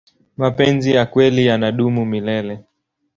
mapenzi ya kweli yanadumu milele